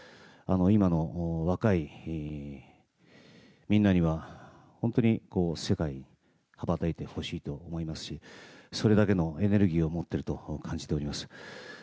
今の若いみんなには本当に世界に羽ばたいてほしいと思いますしそれだけのエネルギーを持っていると感じております。